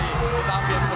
kita ambil kesempatan